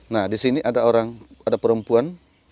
nah di sini ada orang ada perempuan